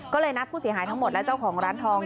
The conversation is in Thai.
ก็เลยนัดผู้เสียหายทั้งหมดและเจ้าของร้านทอง